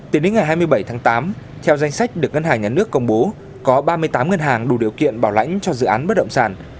tính đến ngày hai mươi bảy tháng tám theo danh sách được ngân hàng nhà nước công bố có ba mươi tám ngân hàng đủ điều kiện bảo lãnh cho dự án bất động sản